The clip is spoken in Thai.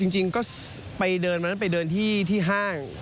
จริงก็ไปเดินมาไปเดินที่ห้าง